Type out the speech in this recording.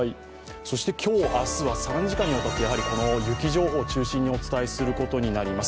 今日、明日は３時間にわたって雪情報を中心にお伝えすることになります。